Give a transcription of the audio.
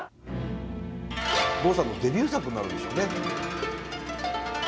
郷さんのデビュー作になるんでしょうね。